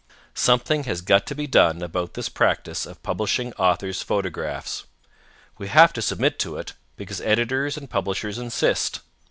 Something has got to be done about this practice of publishing authors' photographs. We have to submit to it, because editors and publishers insist.